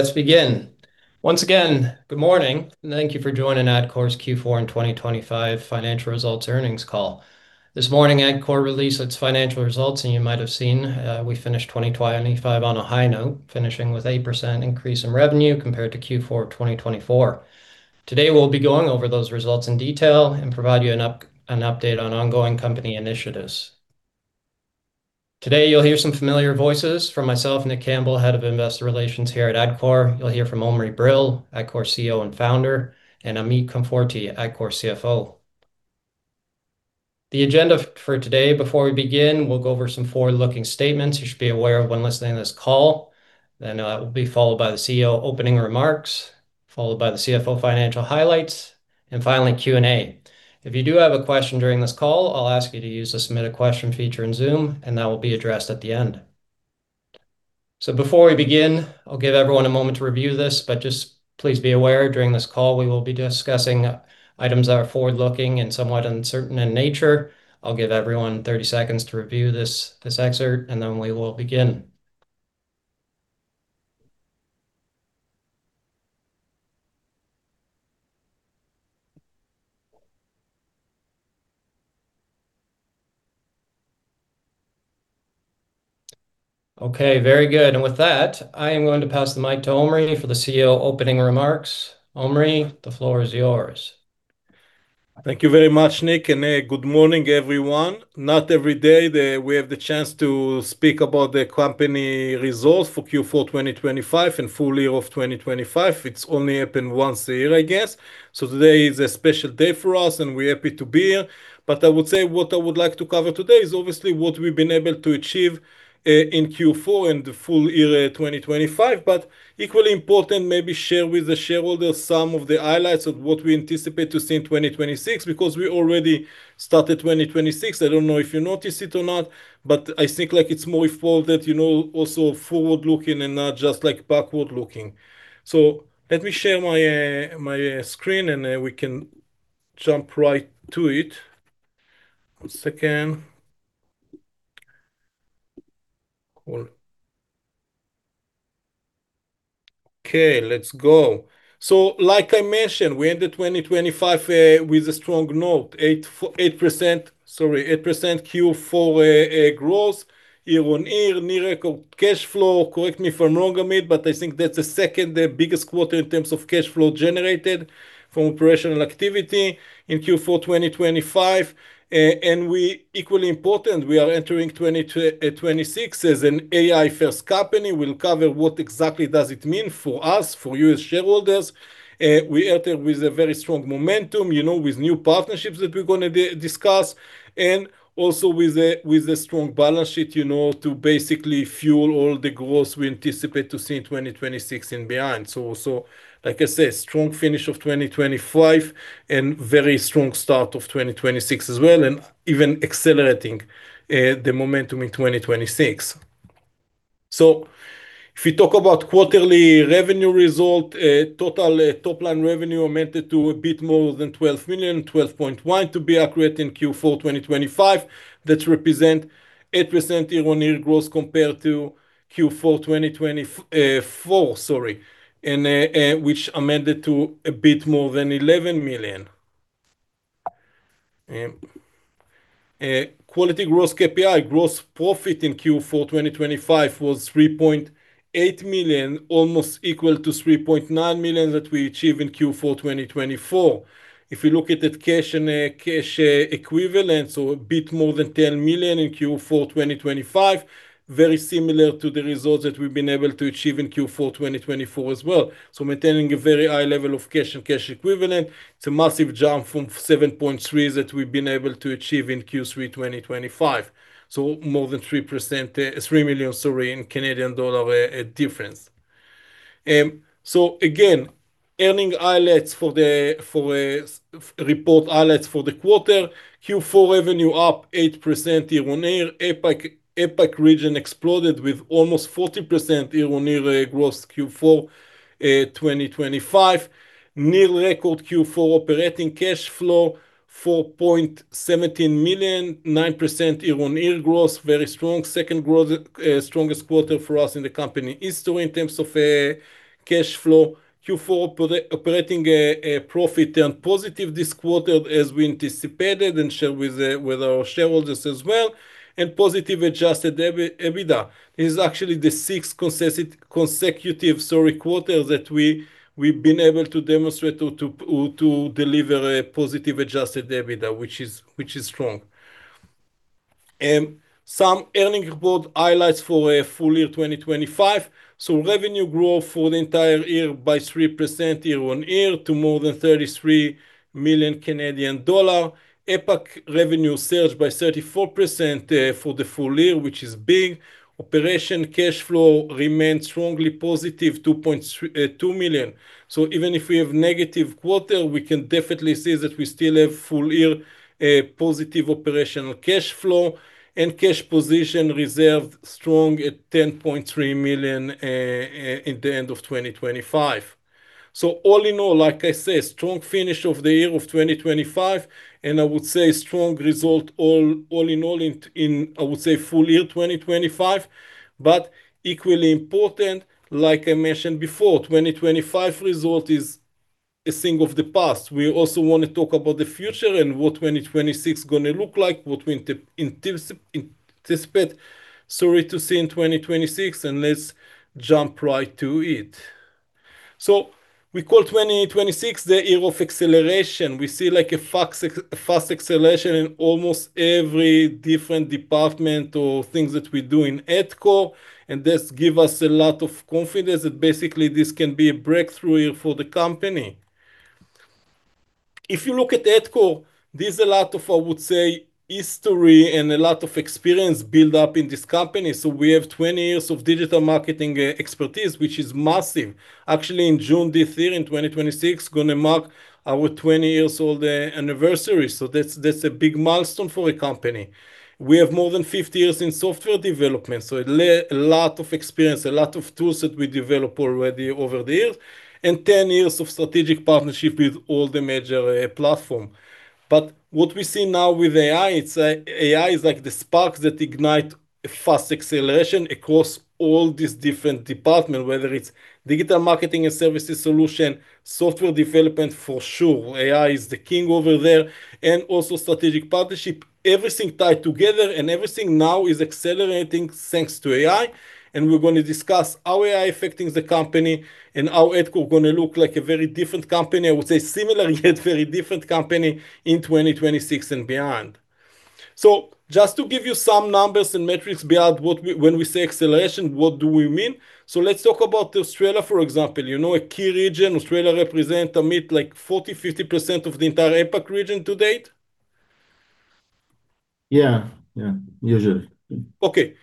Let's begin. Once again, good morning, and thank you for joining Adcore's Q4 in 2025 financial results earnings call. This morning, Adcore released its financial results, and you might have seen, we finished 2025 on a high note, finishing with 8% increase in revenue compared to Q4 of 2024. Today, we'll be going over those results in detail and provide you an update on ongoing company initiatives. Today, you'll hear some familiar voices from myself, Nick Campbell, Head of Investor Relations here at Adcore. You'll hear from Omri Brill, Adcore's CEO and Founder, and Amit Konforty, Adcore's CFO. The agenda for today, before we begin, we'll go over some forward-looking statements you should be aware of when listening to this call. Then, it will be followed by the CEO opening remarks, followed by the CFO financial highlights, and finally Q&A. If you do have a question during this call, I'll ask you to use the submit a question feature in Zoom, and that will be addressed at the end. Before we begin, I'll give everyone a moment to review this, but just please be aware, during this call, we will be discussing items that are forward-looking and somewhat uncertain in nature. I'll give everyone 30 seconds to review this excerpt, and then we will begin. Okay. Very good. With that, I am going to pass the mic to Omri for the CEO opening remarks. Omri, the floor is yours. Thank you very much, Nick. Good morning, everyone. Not every day we have the chance to speak about the company results for Q4 2025 and full year of 2025. It's only happened once a year, I guess. Today is a special day for us, and we're happy to be here. I would say what I would like to cover today is obviously what we've been able to achieve in Q4 and the full year 2025, but equally important, maybe share with the shareholders some of the highlights of what we anticipate to see in 2026, because we already started 2026. I don't know if you noticed it or not, but I think, like, it's more important that, you know, also forward-looking and not just, like, backward-looking. Let me share my screen, and then we can jump right to it. One second. Cool. Okay, let's go. Like I mentioned, we ended 2025 with a strong note, 8% Q4 growth, year-over-year, near-record cash flow. Correct me if I'm wrong, Amit, but I think that's the second biggest quarter in terms of cash flow generated from operational activity in Q4 2025. Equally important, we are entering 2026 as an AI-first company. We'll cover what exactly does it mean for us, for you as shareholders. We enter with a very strong momentum, you know, with new partnerships that we're gonna discuss, and also with a strong balance sheet, you know, to basically fuel all the growth we anticipate to see in 2026 and beyond. Like I said, strong finish of 2025 and very strong start of 2026 as well, and even accelerating the momentum in 2026. If we talk about quarterly revenue result, total top-line revenue amounted to a bit more than 12 million, 12.1 million to be accurate in Q4 2025. That represent 8% year-on-year growth compared to Q4 2024, which amounted to a bit more than 11 million. Quality growth KPI, gross profit in Q4 2025 was 3.8 million, almost equal to 3.9 million that we achieved in Q4 2024. If you look at the cash and cash equivalents, a bit more than 10 million in Q4 2025, very similar to the results that we've been able to achieve in Q4 2024 as well. Maintaining a very high level of cash and cash equivalents. It's a massive jump from 7.3 million that we've been able to achieve in Q3 2025. More than 3 million, sorry, in Canadian dollars difference. Again, earnings highlights for the quarter, Q4 revenue up 8% year-on-year. APAC region exploded with almost 40% year-on-year growth Q4 2025. Near record Q4 operating cash flow, 4.17 million, 9% year-on-year growth. Very strong. Second strongest quarter for us in the company history in terms of cash flow. Q4 operating profit turned positive this quarter as we anticipated and shared with our shareholders as well. Positive adjusted EBITDA. This is actually the sixth consecutive quarter that we've been able to demonstrate to deliver a positive adjusted EBITDA, which is strong. Some earnings report highlights for full year 2025. Revenue growth for the entire year by 3% year-on-year to more than 33 million Canadian dollar. APAC revenue sales by 34% for the full year, which is big. Operating cash flow remained strongly positive, 2 million. Even if we have negative quarter, we can definitely say that we still have full year positive operational cash flow. Cash position remains strong at 10.3 million in the end of 2025. All in all, like I said, strong finish of the year of 2025, I would say strong result all in all in full year 2025. Equally important, like I mentioned before, 2025 result is a thing of the past. We also wanna talk about the future, what 2026 gonna look like, what we anticipate to see in 2026, let's jump right to it. We call 2026 the year of acceleration. We see like a fast acceleration in almost every different department or things that we do in Adcore, and this give us a lot of confidence that basically this can be a breakthrough year for the company. If you look at Adcore, there's a lot of, I would say, history and a lot of experience built up in this company. We have 20 years of digital marketing expertise, which is massive. Actually, in June this year, in 2026, gonna mark our 20 years old anniversary, so that's a big milestone for a company. We have more than 50 years in software development, so a lot of experience, a lot of tools that we develop already over the years. 10 years of strategic partnership with all the major platform. What we see now with AI, it's AI is like the spark that ignite a fast acceleration across all these different department, whether it's digital marketing and services solution, software development for sure, AI is the king over there, and also strategic partnership. Everything tied together, and everything now is accelerating thanks to AI, and we're gonna discuss how AI affecting the company and how Adcore gonna look like a very different company. I would say similar yet very different company in 2026 and beyond. Just to give you some numbers and metrics beyond. When we say acceleration, what do we mean? Let's talk about Australia, for example. You know a key region, Australia represent, Amit, like 40%-50% of the entire APAC region to date. Yeah, yeah. Usually. Okay.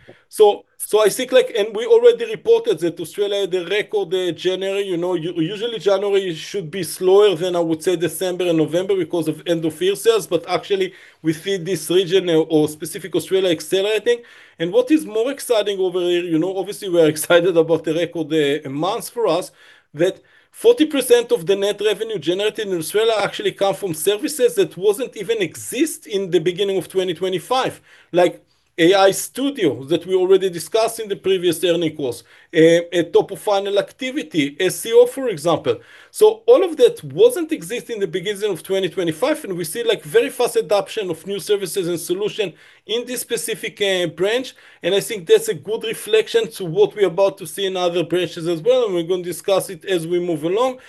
I think like we already reported that Australia had a record January. You know, usually January should be slower than, I would say, December and November because of end of year sales, but actually we see this region or specific Australia accelerating. What is more exciting over there, you know, obviously we are excited about the record month for us, that 40% of the net revenue generated in Australia actually come from services that wasn't even exist in the beginning of 2025. Like AI Studio that we already discussed in the previous earnings calls, and top of funnel activity, SEO, for example. All of that didn't exist in the beginning of 2025, and we see like very fast adoption of new services and solutions in this specific branch, and I think that's a good reflection to what we're about to see in other branches as well, and we're gonna discuss it as we move along.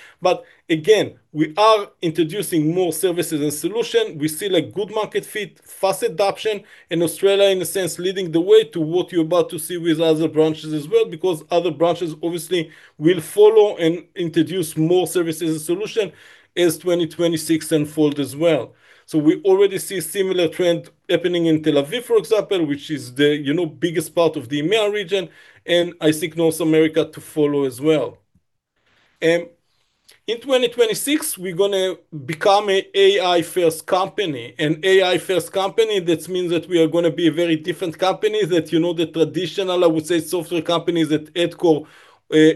We are introducing more services and solutions. We see like good market fit, fast adoption, and Australia in a sense leading the way to what you're about to see with other branches as well because other branches obviously will follow and introduce more services and solutions as 2026 unfold as well. We already see similar trend happening in Tel Aviv, for example, which is the, you know, biggest part of the EMEA region, and I think North America to follow as well. In 2026, we're gonna become an AI-first company. An AI-first company, that means that we are gonna be a very different company that, you know, the traditional, I would say, software company that Adcore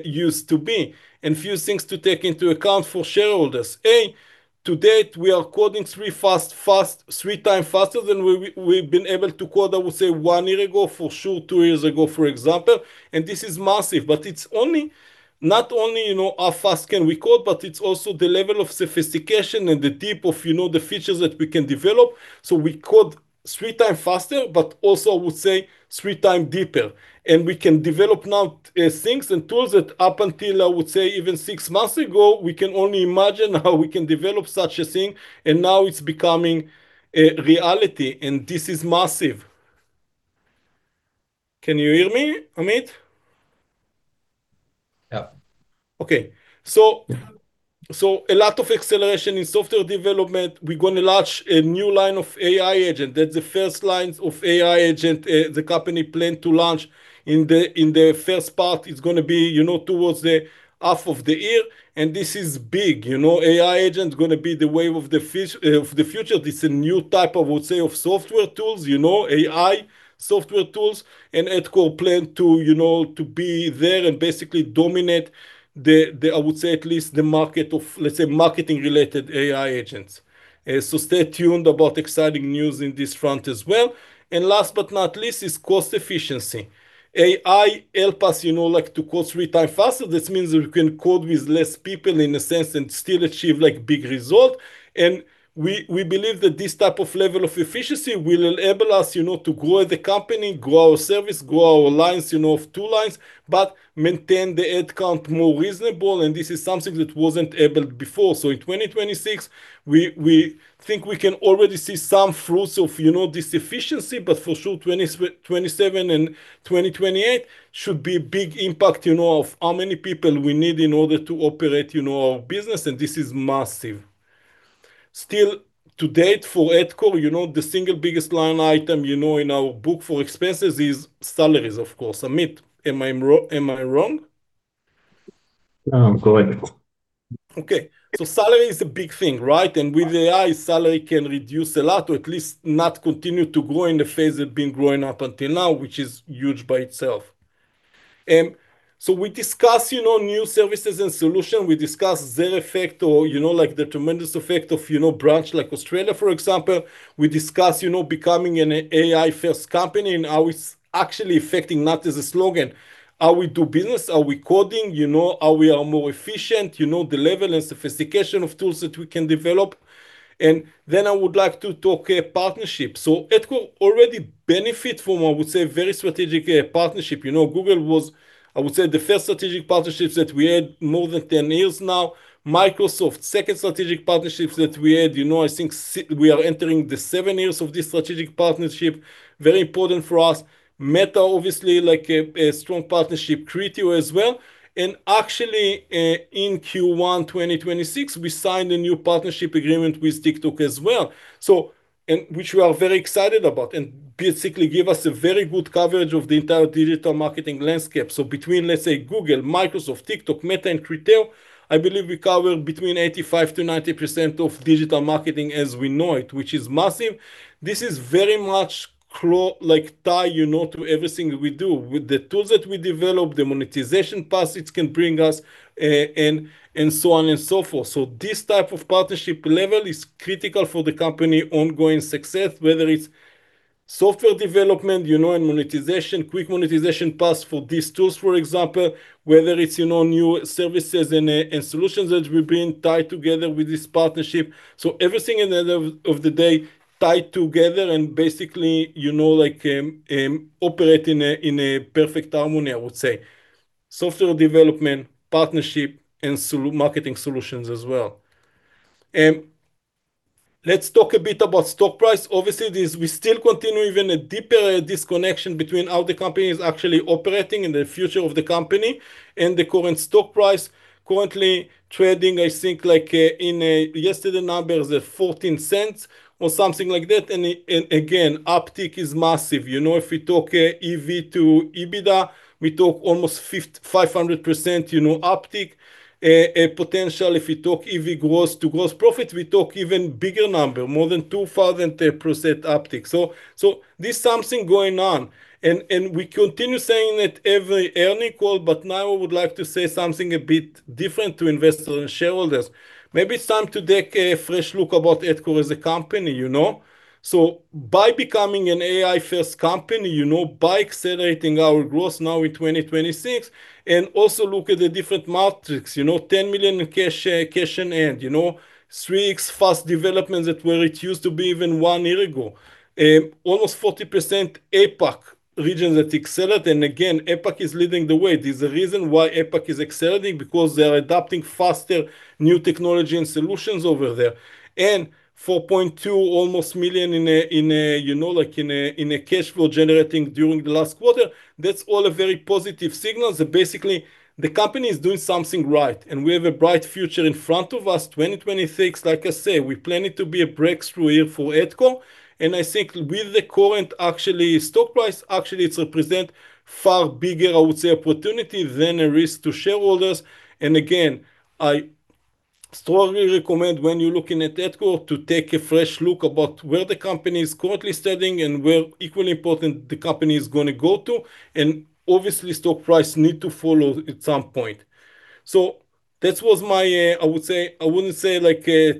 used to be. A few things to take into account for shareholders. A, to date, we are coding three times faster than we've been able to code, I would say, one year ago, for sure two years ago, for example, and this is massive. But it's not only, you know, how fast can we code, but it's also the level of sophistication and the depth of, you know, the features that we can develop. We code three times faster, but also I would say three times deeper. We can develop now, things and tools that up until, I would say, even six months ago, we can only imagine how we can develop such a thing, and now it's becoming a reality, and this is massive. Can you hear me, Amit? Yeah. Okay. A lot of acceleration in software development. We're gonna launch a new line of AI agent. That's the first line of AI agent the company plan to launch in the first half. It's gonna be, you know, towards the half of the year, and this is big, you know? AI agent's gonna be the wave of the future. This is a new type of, I would say, software tools, you know? AI software tools. Adcore plan to, you know, to be there and basically dominate the, I would say at least the market of, let's say, marketing related AI agents. Stay tuned about exciting news in this front as well. Last but not least is cost efficiency. AI help us, you know, like to code three times faster. This means we can code with less people in a sense and still achieve like big result. We believe that this type of level of efficiency will enable us, you know, to grow the company, grow our service, grow our lines, you know, of tool lines, but maintain the head count more reasonable, and this is something that wasn't able before. In 2026, we think we can already see some fruits of, you know, this efficiency, but for sure 2027 and 2028 should be big impact, you know, of how many people we need in order to operate, you know, our business, and this is massive. Still, to date, for Adcore, you know, the single biggest line item, you know, in our book for expenses is salaries, of course. Amit, am I wrong? No, go ahead. Okay. Salary is a big thing, right? With AI, salary can reduce a lot, or at least not continue to grow in the phase it been growing up until now, which is huge by itself. We discuss, you know, new services and solution. We discuss their effect or, you know, like the tremendous effect of, you know, branch like Australia, for example. We discuss, you know, becoming an AI first company, and how it's actually affecting not as a slogan. How we do business, how we coding, you know, how we are more efficient, you know, the level and sophistication of tools that we can develop. I would like to talk a partnership. Adcore already benefit from, I would say, very strategic, partnership. You know, Google was, I would say, the first strategic partnerships that we had more than 10 years now. Microsoft, second strategic partnerships that we had, you know, I think we are entering the seven years of this strategic partnership, very important for us. Meta, obviously, like a strong partnership. Criteo as well. Actually, in Q1 2026, we signed a new partnership agreement with TikTok as well, which we are very excited about and basically give us a very good coverage of the entire digital marketing landscape. Between, let's say, Google, Microsoft, TikTok, Meta, and Criteo, I believe we cover between 85%-90% of digital marketing as we know it, which is massive. This is very much closely tied, you know, to everything we do. With the tools that we develop, the monetization paths it can bring us, and so on and so forth. This type of partnership level is critical for the company's ongoing success, whether it's software development, you know, and monetization, quick monetization paths for these tools, for example, whether it's, you know, new services and solutions that we bring tied together with this partnership. Everything at the end of the day tied together and basically, you know, like, operate in a perfect harmony, I would say. Software development, partnership, and marketing solutions as well. Let's talk a bit about stock price. Obviously, we still continue even a deeper disconnection between how the company is actually operating and the future of the company and the current stock price. Currently trading, I think, like, in yesterday's numbers, 0.14 or something like that. Again, uptick is massive. You know, if we talk EV to EBITDA, we talk almost 500%, you know, uptick. Potentially, if you talk EV gross to gross profits, we talk even bigger number, more than 2,000% uptick. There's something going on and we continue saying at every earnings call, but now I would like to say something a bit different to investors and shareholders. Maybe it's time to take a fresh look at Adcore as a company, you know. By becoming an AI-first company, you know, by accelerating our growth now in 2026, and also look at the different metrics, you know. 10 million cash in hand, you know. 3x faster development than it used to be even one year ago. Almost 40% APAC region that accelerates. Again, APAC is leading the way. There's a reason why APAC is accelerating, because they are adopting faster new technology and solutions over there. Almost 4.2 million in a, you know, like in a cash flow generating during the last quarter. That's all very positive signals that basically the company is doing something right, and we have a bright future in front of us. 2026, like I say, we plan it to be a breakthrough year for Adcore. I think with the current actually stock price, actually it represent far bigger, I would say, opportunity than a risk to shareholders. I strongly recommend when you're looking at Adcore to take a fresh look about where the company is currently standing and where, equally important, the company is gonna go to. Obviously, stock price need to follow at some point. That was my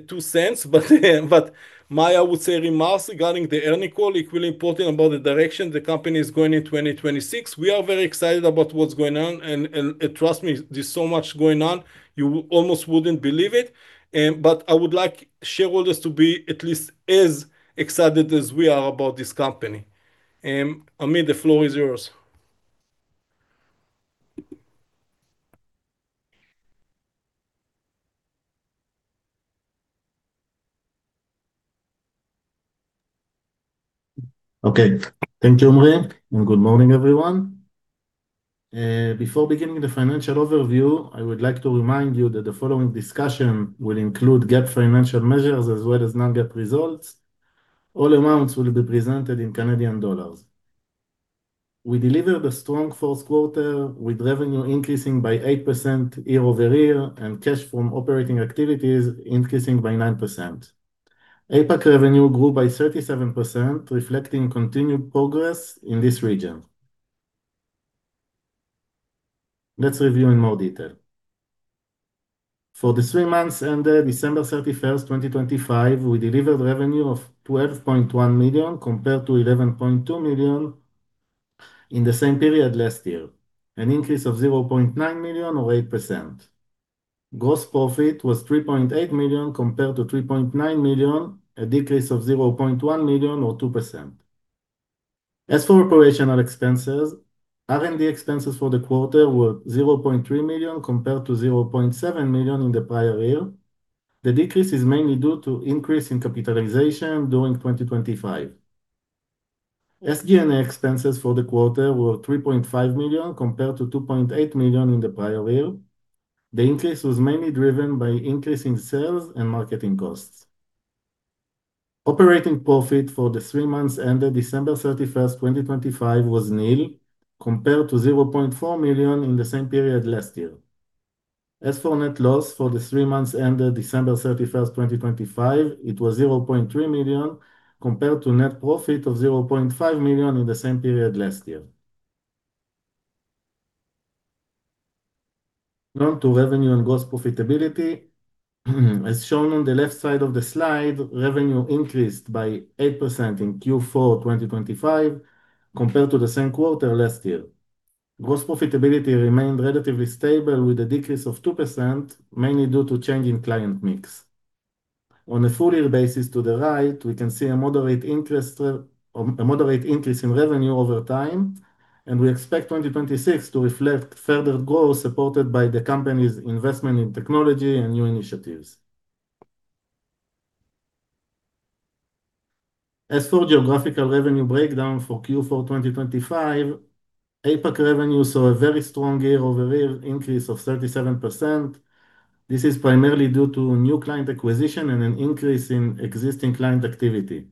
two cents, but my remarks regarding the earnings call. Equally important about the direction the company is going in 2026. We are very excited about what's going on, trust me, there's so much going on, you almost wouldn't believe it. I would like shareholders to be at least as excited as we are about this company. Amit, the floor is yours. Okay. Thank you, Omri, and good morning, everyone. Before beginning the financial overview, I would like to remind you that the following discussion will include GAAP financial measures as well as non-GAAP results. All amounts will be presented in Canadian dollars. We delivered a strong fourth quarter, with revenue increasing by 8% year-over-year and cash from operating activities increasing by 9%. APAC revenue grew by 37%, reflecting continued progress in this region. Let's review in more detail. For the three months ended December 31st, 2025, we delivered revenue of 12.1 million compared to 11.2 million in the same period last year, an increase of 0.9 million or 8%. Gross profit was 3.8 million compared to 3.9 million, a decrease of 0.1 million or 2%. As for operational expenses, R&D expenses for the quarter were 0.3 million compared to 0.7 million in the prior year. The decrease is mainly due to increase in capitalization during 2025. SG&A expenses for the quarter were 3.5 million compared to 2.8 million in the prior year. The increase was mainly driven by increasing sales and marketing costs. Operating profit for the three months ended December 31st, 2025 was nil compared to 0.4 million in the same period last year. As for net loss for the three months ended December 31st, 2025, it was 0.3 million, compared to net profit of 0.5 million in the same period last year. Now to revenue and gross profitability. As shown on the left side of the slide, revenue increased by 8% in Q4 2025, compared to the same quarter last year. Gross profitability remained relatively stable with a decrease of 2%, mainly due to change in client mix. On a full year basis to the right, we can see a moderate interest, or a moderate increase in revenue over time, and we expect 2026 to reflect further growth supported by the company's investment in technology and new initiatives. As for geographical revenue breakdown for Q4 2025, APAC revenue saw a very strong year-over-year increase of 37%. This is primarily due to new client acquisition and an increase in existing client activity.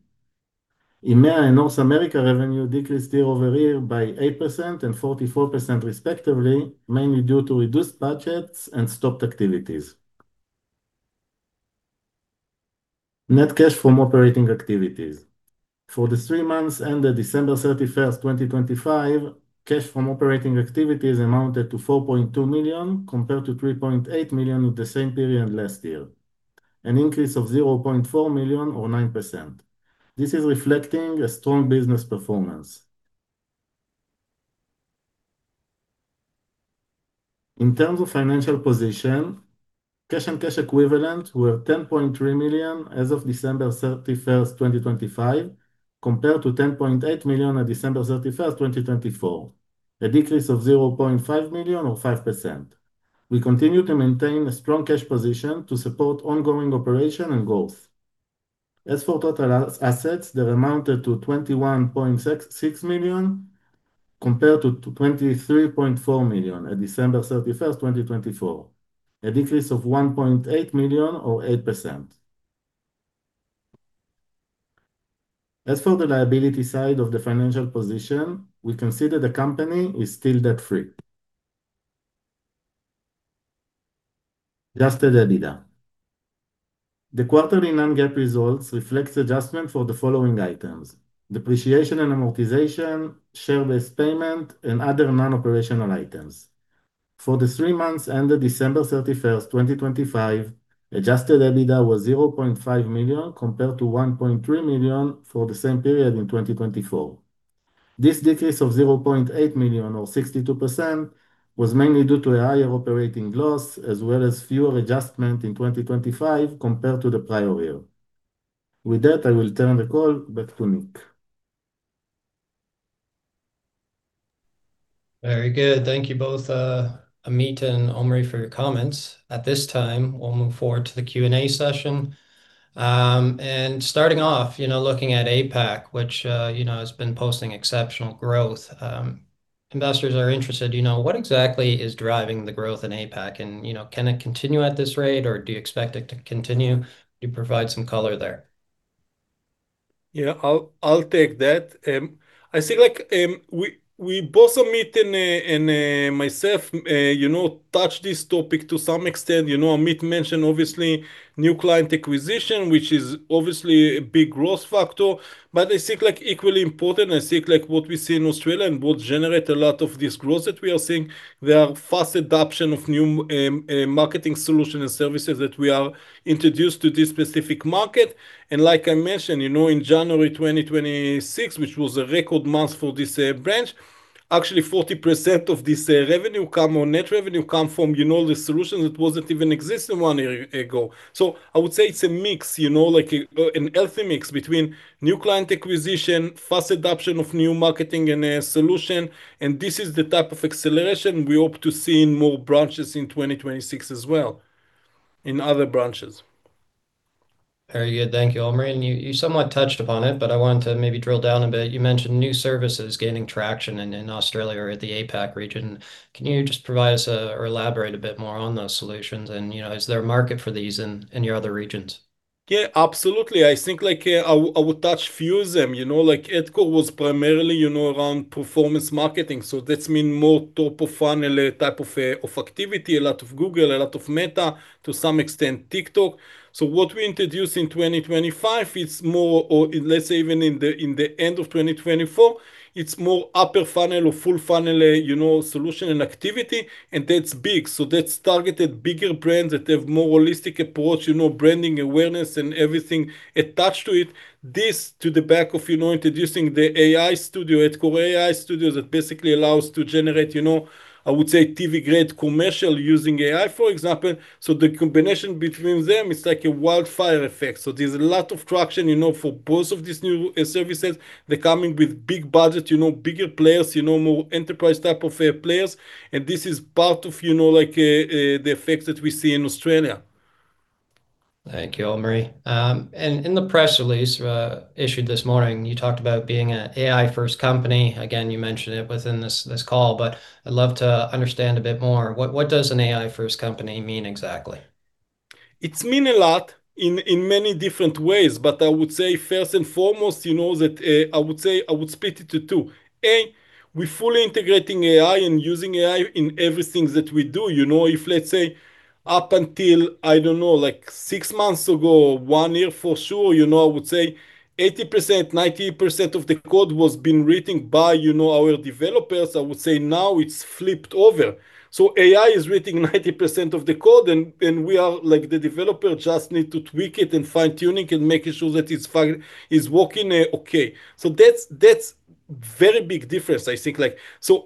EMEA and North America revenue decreased year-over-year by 8% and 44% respectively, mainly due to reduced budgets and stopped activities. Net cash from operating activities. For the three months ended December 31st, 2025, cash from operating activities amounted to 4.2 million, compared to 3.8 million with the same period last year. An increase of 0.4 million or 9%. This is reflecting a strong business performance. In terms of financial position, cash and cash equivalent were 10.3 million as of December 31st, 2025, compared to 10.8 million at December 31st, 2024. A decrease of 0.5 million or 5%. We continue to maintain a strong cash position to support ongoing operation and growth. As for total assets, they amounted to 21.66 million, compared to 23.4 million at December 31st, 2024. A decrease of 1.8 million or 8%. As for the liability side of the financial position, we can see that the company is still debt-free. Adjusted EBITDA. The quarterly non-GAAP results reflect adjustments for the following items. Depreciation and amortization, share-based payment, and other non-operational items. For the three months ended December 31st, 2025, adjusted EBITDA was 0.5 million compared to 1.3 million for the same period in 2024. This decrease of 0.8 million or 62% was mainly due to a higher operating loss as well as fewer adjustments in 2025 compared to the prior year. With that, I will turn the call back to Nick. Very good. Thank you both, Amit and Omri for your comments. At this time, we'll move forward to the Q&A session. Starting off, you know, looking at APAC, which, you know, has been posting exceptional growth. Investors are interested, you know, what exactly is driving the growth in APAC and, you know, can it continue at this rate, or do you expect it to continue? Can you provide some color there? Yeah, I'll take that. I think, like, we both Amit and myself, you know, touch this topic to some extent. You know, Amit mentioned obviously new client acquisition, which is obviously a big growth factor. I think, like, equally important, I think, like, what we see in Australia and what generate a lot of this growth that we are seeing, we have fast adoption of new marketing solution and services that we are introduced to this specific market. Like I mentioned, you know, in January 2026, which was a record month for this branch, actually 40% of this revenue come or net revenue come from, you know, the solution that wasn't even exist one year ago. I would say it's a mix, you know, like a... a healthy mix between new client acquisition, fast adoption of new marketing and solution, and this is the type of acceleration we hope to see in more branches in 2026 as well, in other branches. Very good. Thank you, Omri. You somewhat touched upon it, but I want to maybe drill down a bit. You mentioned new services gaining traction in Australia or the APAC region. Can you just provide us or elaborate a bit more on those solutions and, you know, is there a market for these in your other regions? Yeah, absolutely. I think, like, I would touch on a few of them. You know, like, Adcore was primarily, you know, around performance marketing, so that means more top of funnel type of activity, a lot of Google, a lot of Meta, to some extent TikTok. What we introduced in 2025 is more or let's say even in the end of 2024, it's more upper funnel or full funnel, you know, solution and activity, and that's big. That's targeted bigger brands that have more holistic approach, you know, branding, awareness and everything attached to it. This backed by, you know, introducing the AI Studio, Adcore AI Studio, that basically allows to generate, you know, I would say TV-grade commercial using AI, for example. The combination between them is like a wildfire effect. There's a lot of traction, you know, for both of these new services. They're coming with big budget, you know, bigger players, you know, more enterprise type of players. This is part of, you know, like the effect that we see in Australia. Thank you, Omri. In the press release issued this morning, you talked about being a AI first company. Again, you mentioned it within this call, but I'd love to understand a bit more. What does an AI first company mean exactly? It means a lot in many different ways, but I would say first and foremost, you know, that I would say I would split it to two. A, we're fully integrating AI and using AI in everything that we do. You know, if let's say up until, I don't know, like six months ago, one year for sure, you know, I would say 80%, 90% of the code has been written by, you know, our developers. I would say now it's flipped over. AI is writing 90% of the code, and we are like the developers just need to tweak it and fine-tuning and making sure that it's working, okay. That's a very big difference I think. Like,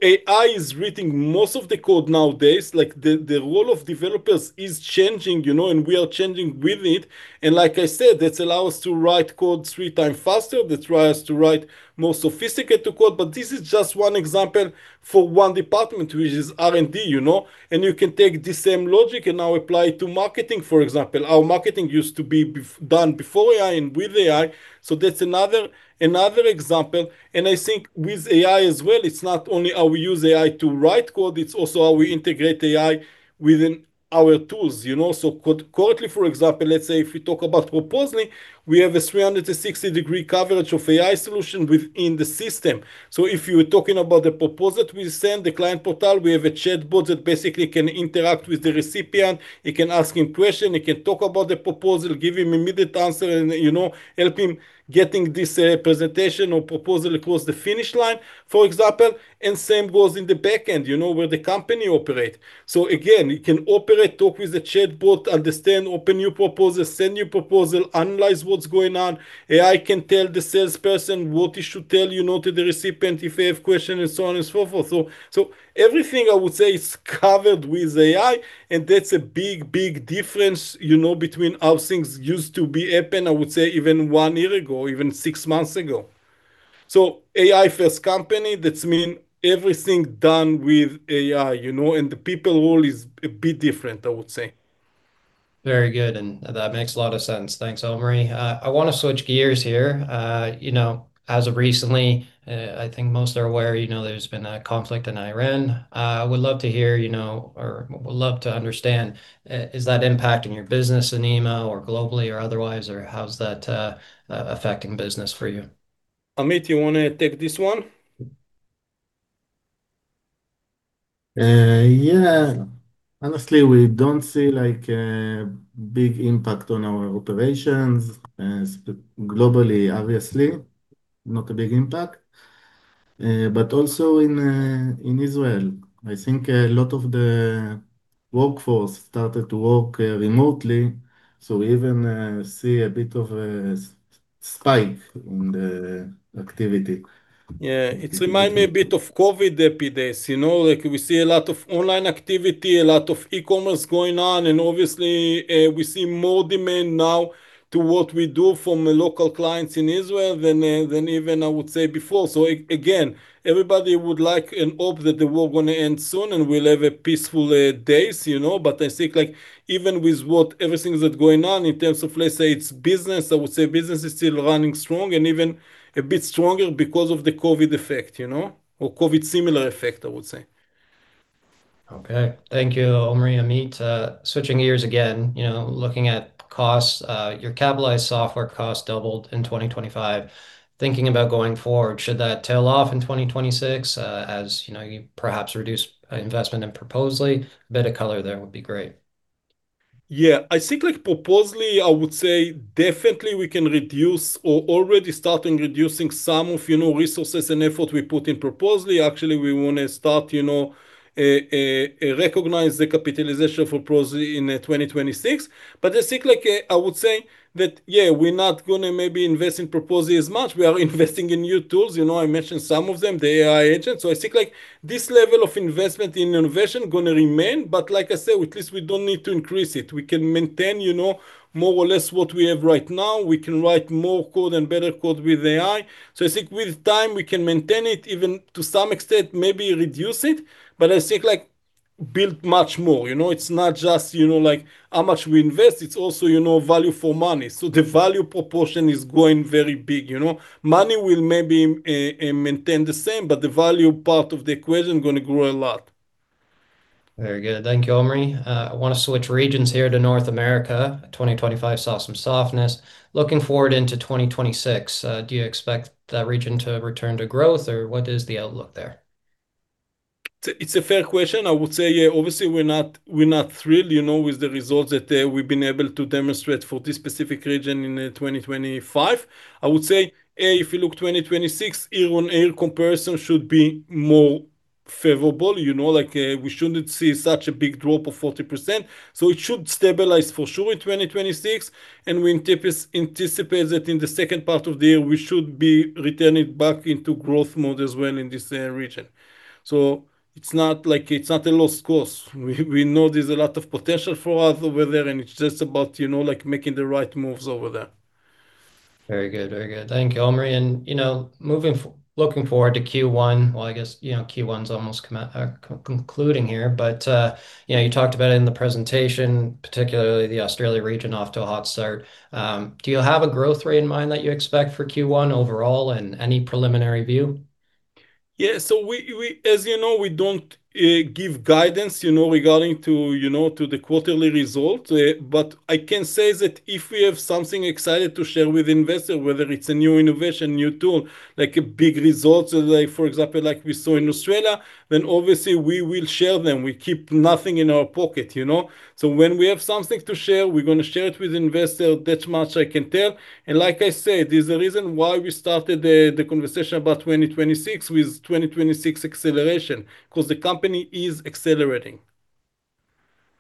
AI is writing most of the code nowadays. Like the role of developers is changing, you know, and we are changing with it. Like I said, that allow us to write code three times faster. That allow us to write more sophisticated code. This is just one example for one department, which is R&D, you know. You can take the same logic and now apply to marketing, for example. Our marketing used to be done before AI and with AI, so that's another example. I think with AI as well, it's not only how we use AI to write code, it's also how we integrate AI within our tools, you know. Currently, for example, let's say if we talk about Proposaly, we have a 360-degree coverage of AI solution within the system. If you're talking about the proposal we send, the client portal, we have a chatbot that basically can interact with the recipient. It can ask him question, it can talk about the proposal, give him immediate answer and, you know, help him getting this, presentation or proposal across the finish line, for example. Same goes in the back end, you know, where the company operate. Again, it can operate, talk with the chatbot, understand, open new proposal, send new proposal, analyze what's going on. AI can tell the salesperson what he should tell, you know, to the recipient if they have question, and so on and so forth. Everything I would say is covered with AI, and that's a big, big difference, you know, between how things used to be happen, I would say even one year ago, even six months ago. AI-first company, that means everything is done with AI, you know, and the people's role is a bit different, I would say. Very good, that makes a lot of sense. Thanks, Omri. I wanna switch gears here. You know, as of recently, I think most are aware, you know, there's been a conflict in Israel. Would love to hear, you know, or would love to understand, is that impacting your business in EMEA or globally or otherwise, or how's that affecting business for you? Amit, you wanna take this one? Yeah. Honestly, we don't see like a big impact on our operations globally, obviously, not a big impact. Also in Israel, I think a lot of the workforce started to work remotely, so we even see a bit of a spike in the activity. Yeah. It remind me a bit of COVID epidemics. You know, like we see a lot of online activity, a lot of e-commerce going on, and obviously, we see more demand now to what we do from the local clients in Israel than even I would say before. Again, everybody would like and hope that the war gonna end soon, and we'll have a peaceful days, you know. I think like even with everything that's going on in terms of, let's say, its business, I would say business is still running strong and even a bit stronger because of the COVID effect, you know, or COVID similar effect, I would say. Okay. Thank you, Omri, Amit. Switching gears again, you know, looking at costs, your capitalized software costs doubled in 2025. Thinking about going forward, should that tail off in 2026, as, you know, you perhaps reduce investment in Proposaly? A bit of color there would be great. Yeah. I think like Proposaly, I would say definitely we can reduce or already starting reducing some of, you know, resources and effort we put in Proposaly. Actually, we wanna start, you know, recognize the capitalization for Proposaly in 2026. I think like, I would say that, yeah, we're not gonna maybe invest in Proposaly as much. We are investing in new tools. You know, I mentioned some of them, the AI agent. I think like this level of investment in innovation gonna remain, but like I said, at least we don't need to increase it. We can maintain, you know, more or less what we have right now. We can write more code and better code with AI. I think with time we can maintain it, even to some extent, maybe reduce it. I think like build much more, you know. It's not just, you know, like how much we invest, it's also, you know, value for money. The value proposition is going very big, you know. Money will maybe maintain the same, but the value part of the equation gonna grow a lot. Very good. Thank you, Omri. I wanna switch regions here to North America. 2025 saw some softness. Looking forward into 2026, do you expect that region to return to growth, or what is the outlook there? It's a fair question. I would say, yeah, obviously we're not thrilled, you know, with the results that we've been able to demonstrate for this specific region in 2025. I would say, if you look 2026, year on year comparison should be more favorable. You know, like, we shouldn't see such a big drop of 40%. It should stabilize for sure in 2026, and we anticipate that in the second part of the year we should be returning back into growth mode as well in this region. It's not like it's not a lost cause. We know there's a lot of potential for us over there, and it's just about, you know, like making the right moves over there. Very good. Thank you, Omri. You know, looking forward to Q1, well, I guess, you know, Q1's almost come and gone, concluding here, but, you know, you talked about it in the presentation, particularly the Australia region off to a hot start. Do you have a growth rate in mind that you expect for Q1 overall and any preliminary view? Yeah, we as you know, we don't give guidance, you know, regarding to the quarterly results. But I can say that if we have something exciting to share with investor, whether it's a new innovation, new tool, like a big results like for example like we saw in Australia, then obviously we will share them. We keep nothing in our pocket, you know. When we have something to share, we're gonna share it with investor. That much I can tell. Like I said, there's a reason why we started the conversation about 2026, with 2026 acceleration, 'cause the company is accelerating.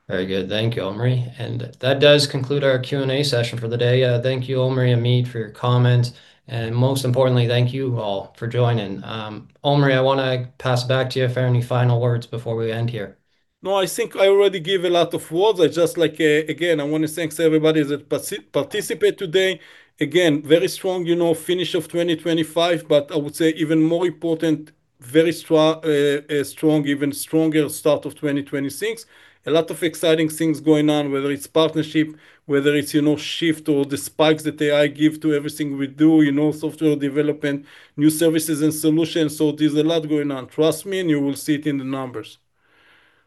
Very good. Thank you, Omri. That does conclude our Q&A session for the day. Thank you, Omri, Amit, for your comments. Most importantly, thank you all for joining. Omri, I wanna pass back to you for any final words before we end here. No, I think I already gave a lot of words. I just like, again, I wanna thank everybody that participate today. Again, very strong, you know, finish of 2025, but I would say even more important, very strong, even stronger start of 2026. A lot of exciting things going on, whether it's partnership, whether it's, you know, shift or the spikes that AI give to everything we do, you know, software development, new services and solutions. There's a lot going on. Trust me, and you will see it in the numbers.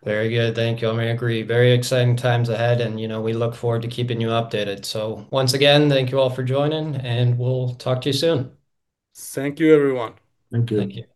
Very good. Thank you, Omri. I agree. Very exciting times ahead, and, you know, we look forward to keeping you updated. Once again, thank you all for joining, and we'll talk to you soon. Thank you, everyone. Thank you. Thank you.